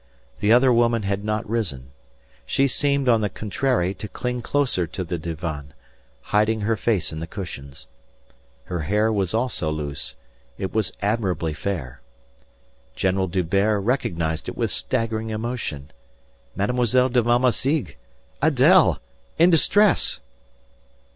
The other woman had not risen. She seemed, on the contrary, to cling closer to the divan, hiding her face in the cushions. Her hair was also loose; it was admirably fair. General D'Hubert recognised it with staggering emotion. Mlle. de Valmassigue! Adèle! In distress!